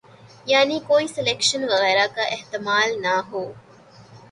یعنی کوئی سلیکشن وغیرہ کا احتمال نہ ہو۔